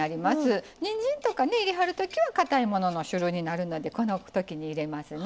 にんじんとかね入れはるときはかたいものの種類になるのでこのときに入れますね。